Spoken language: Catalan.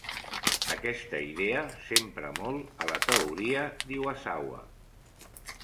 Aquesta idea s'empra molt a la teoria d'Iwasawa.